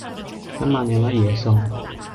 今晚有乜嘢餸?